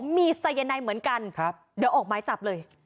มีสายนายเหมือนกันเดี๋ยวออกหมายจับเลย